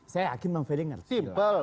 saya yakin bang ferry ngerti